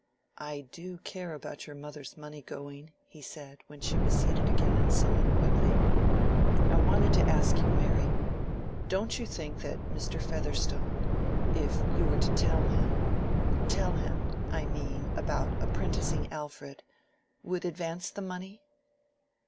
"I do care about your mother's money going," he said, when she was seated again and sewing quickly. "I wanted to ask you, Mary—don't you think that Mr. Featherstone—if you were to tell him—tell him, I mean, about apprenticing Alfred—would advance the money?"